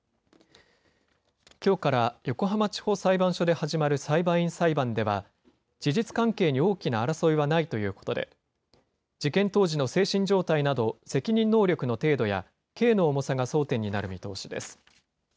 きょうから横浜地方裁判所で始まる裁判員裁判では、事実関係に大きな争いはないということで、事件当時の精神状態など、責任能力の程度や、刑の重さが争点になる見通しです。